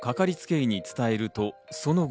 医に伝えると、その後。